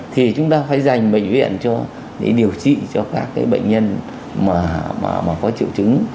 thì chúng ta phải dành bệnh viện để điều trị cho các cái bệnh nhân mà có triệu chứng